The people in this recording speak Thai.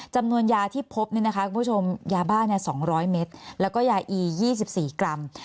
จำนวนยาที่พบเนี่ยนะคะคุณผู้ชมยาบ้าเนี่ย๒๐๐เมตรแล้วก็ยาอี๒๔กรัม